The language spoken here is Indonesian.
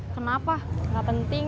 kenapa gak penting